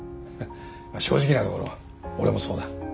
まあ正直なところ俺もそうだ。